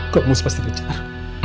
kok mustahil kejar